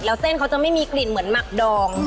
แล้วเส้นเขาจะไม่มีกลิ่นเหมือนหมักดอง